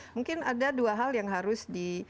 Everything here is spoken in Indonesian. mungkin ada dua hal yang harus di